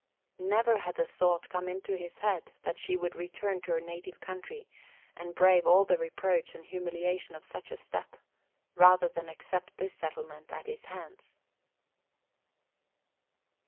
Never had the thought come into his head that she would return to her native country, and brave all the reproach and humiliation of such a step, rather than accept this settlement at his hands.